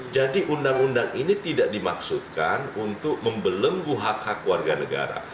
jadi undang undang ini tidak dimaksudkan untuk membelenggu hak hak warga negara